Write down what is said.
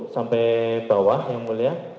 saya bawah yang mulia